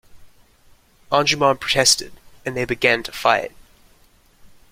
Anjuman protested, and they began to fight.